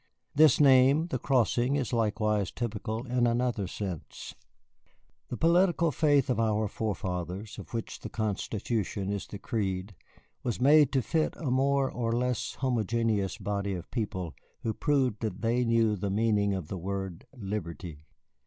This name, "The Crossing," is likewise typical in another sense. The political faith of our forefathers, of which the Constitution is the creed, was made to fit a more or less homogeneous body of people who proved that they knew the meaning of the word "Liberty."